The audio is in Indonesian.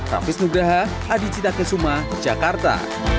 raffi snugraha adi cita kesuma jakarta